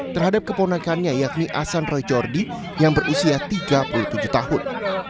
terhadap keponakannya yakni asan rojordi yang berusia tiga puluh tujuh tahun